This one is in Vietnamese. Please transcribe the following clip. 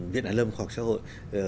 viện hải lâm khoa học xã hội